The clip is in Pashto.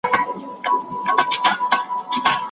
ایا کره کتنه د ليکني کیفیت لوړوي؟